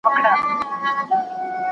¬ د عقل وږی نسته، د دنيا موړ نسته.